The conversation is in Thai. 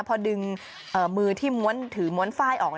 พอดึงมือที่ถือม้วนไฟล์ออก